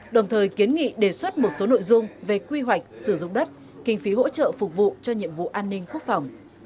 đồng thời kiến nghị đề xuất một số nội dung về quy hoạch sử dụng đất kinh phí hỗ trợ phục vụ cho nhiệm vụ an ninh quốc phòng